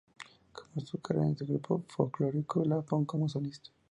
Comenzó su carrera en un grupo folclórico lapón como solista.